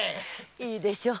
いいでしょう。